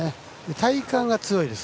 体幹が強いです。